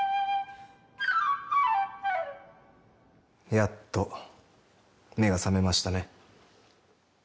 やっと目が覚めましたね。